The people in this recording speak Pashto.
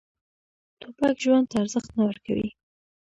توپک ژوند ته ارزښت نه ورکوي.